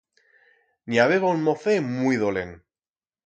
N'i habeba un mocet muit dolent.